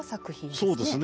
そうですね。